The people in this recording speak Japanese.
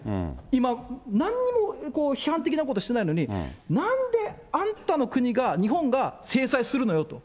今、なんにも批判的なことをしてないのに、なんであんたの国が、日本が制裁するのよと。